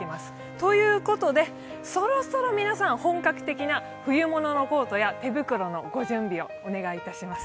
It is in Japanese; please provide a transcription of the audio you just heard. ということで、そろそろ皆さん、本格的な冬物のコートや手袋の御準備をお願いします。